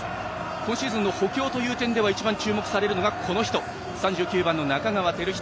今シーズンの補強で一番注目されるのがこの人、３９番の仲川輝人。